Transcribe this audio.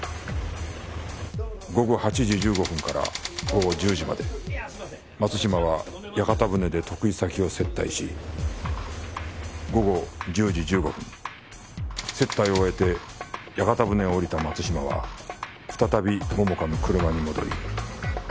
午後８時１５分から午後１０時まで松島は屋形船で得意先を接待し午後１０時１５分接待を終えて屋形船を降りた松島は再び桃花の車に戻り。